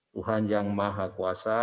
tuhan yang maha kuasa